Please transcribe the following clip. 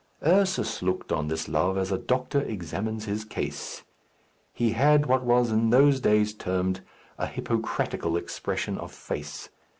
Ursus looked on this love as a doctor examines his case. He had what was in those days termed a hippocratical expression of face.